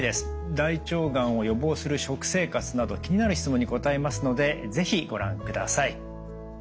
大腸がんを予防する食生活など気になる質問に答えますので是非ご覧ください。